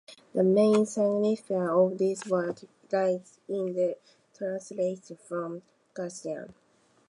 The main significance of this work lies in the translations from Latin into Castilian.